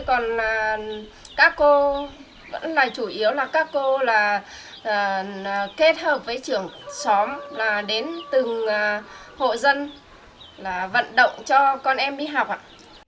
còn các cô vẫn là chủ yếu là các cô là kết hợp với trưởng xóm là đến từng hộ dân là vận động cho con em đi học